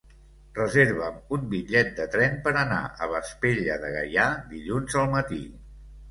Reserva'm un bitllet de tren per anar a Vespella de Gaià dilluns al matí.